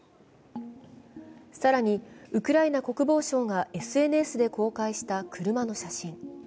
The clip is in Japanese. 更に、ウクライナ国防省がＳＮＳで公開した車の写真。